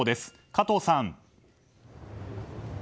加藤さん。